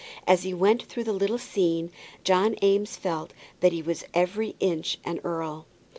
As he went through the little scene, John Eames felt that he was every inch an earl.